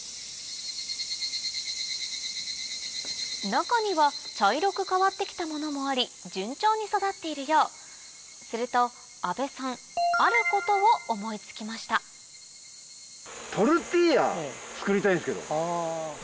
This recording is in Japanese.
中には茶色く変わって来たものもあり順調に育っているようすると阿部さんあることを思い付きましたあ。